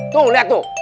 tuh lihat tuh